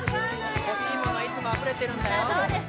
欲しいものはいつもあふれてるんだよ